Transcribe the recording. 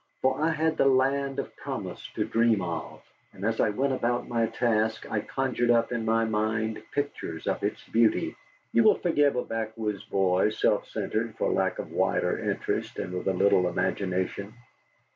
For I had the Land of Promise to dream of, and as I went about my tasks I conjured up in my mind pictures of its beauty. You will forgive a backwoods boy, self centred, for lack of wider interest, and with a little imagination.